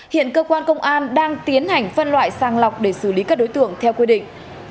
hiện cơ quan công an đang tiến hành phân loại sang lọc để xử lý các đối tượng theo quy định